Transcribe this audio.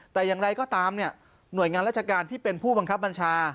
แต่อย่างไรก็ตามเนี่ยหน่วยงานราชการที่เป็นผู้บังคับบัญชา